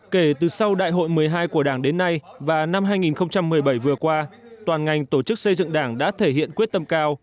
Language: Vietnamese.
kể từ sau đại hội một mươi hai của đảng đến nay và năm hai nghìn một mươi bảy vừa qua toàn ngành tổ chức xây dựng đảng đã thể hiện quyết tâm cao